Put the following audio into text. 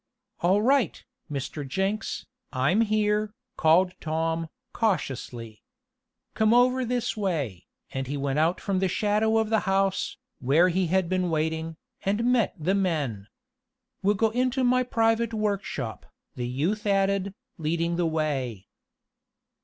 "All right, Mr. Jenks, I'm here," called Tom, cautiously. "Come over this way," and he went out from the shadow of the house, where he had been waiting, and met the men. "We'll go into my private work shop," the youth added, leading the way.